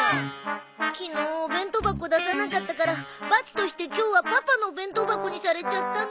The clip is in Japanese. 昨日お弁当箱出さなかったから罰として今日はパパのお弁当箱にされちゃったの。